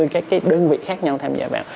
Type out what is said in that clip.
hai mươi cái đơn vị khác nhau tham gia vào